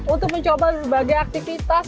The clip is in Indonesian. untuk mencoba berbagai aktivitas